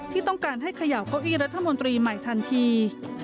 ที่ต้องการให้เขย่าเก้าอี้รัฐมนตรีใหม่ทันที